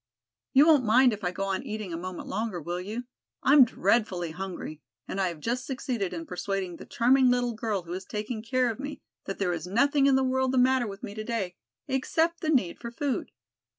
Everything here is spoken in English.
You won't mind if I go on eating a moment longer, will you? I am dreadfully hungry and I have just succeeded in persuading the charming little girl who is taking care of me that there is nothing in the world the matter with me today, except the need for food.